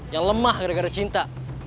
yang lemah gara gara cinta